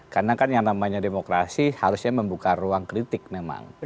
karena kan yang namanya demokrasi harusnya membuka ruang kritik memang